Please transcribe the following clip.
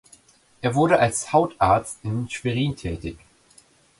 Er wurde als Hautarzt in Schwerin tätig.